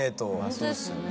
そうですよね。